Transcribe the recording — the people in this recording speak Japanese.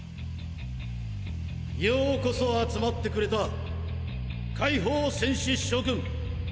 ようこそ集まってくれた解放戦士諸君！